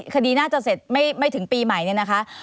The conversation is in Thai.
คดีน่าจะเสร็จไม่ถึงปีใหม่เนี่ยนะคะ